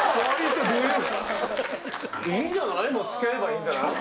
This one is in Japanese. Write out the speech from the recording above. いいんじゃない？